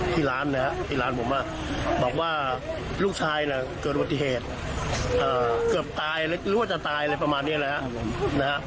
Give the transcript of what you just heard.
ที่ร้านผมบอกว่าลูกชายเกิดอุบัติเหตุเกือบตายหรือว่าจะตายอะไรประมาณนี้นะครับ